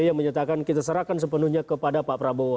yang menyatakan kita serahkan sepenuhnya kepada pak prabowo